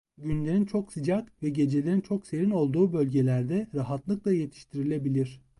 Günlerin çok sıcak ve gecelerin çok serin olduğu bölgelerde rahatlıkla yetiştirilebilir.